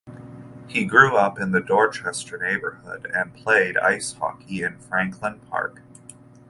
He grew up in the Dorchester neighborhood and played ice hockey in Franklin Park.